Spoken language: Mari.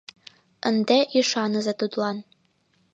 Ынде ӱшаныза тудлан!